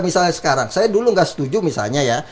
misalnya sekarang saya dulu nggak setuju misalnya ya